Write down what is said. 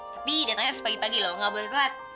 tapi datangnya sepagi pagi loh nggak boleh telat